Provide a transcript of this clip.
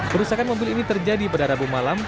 kerusakan mobil ini terjadi pada rabu malam